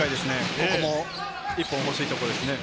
ここも一本、欲しいところですね。